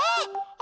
あ。